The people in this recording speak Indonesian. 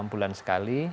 enam bulan sekali